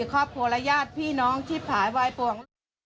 ครอบครัวและญาติพี่น้องที่ผายวายปวง